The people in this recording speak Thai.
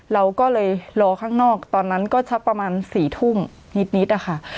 เราก็เลยรอข้างนอกตอนนั้นก็สักประมาณ๔ทุ่มนิดอะค่ะ